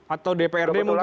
atau dprd mungkin